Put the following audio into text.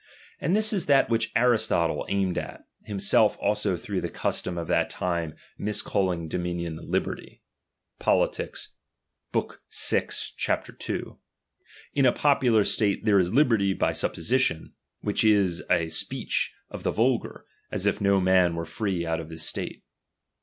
And this is that which I Aristotle aimed at, himself also through the custom I of that time miscalling dominion liberty. (PoUl. I lib. vi. cap. 2.) In a popular stale there is liberty I St/ supposition ; which is a speech of the vul I gar, as if no man were free out of this state.